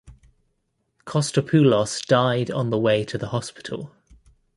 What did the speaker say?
Kostopoulos died on the way to the hospital.